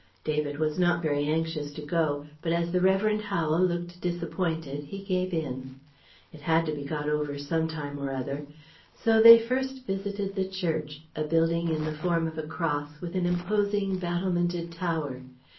David was not very anxious to go, but as the Revd. Howel looked disappointed he gave in. It had to be got over some time or other. So they first visited the church, a building in the form of a cross, with an imposing battlemented tower.